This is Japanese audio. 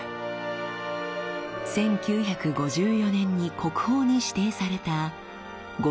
１９５４年に国宝に指定された「後藤藤四郎」。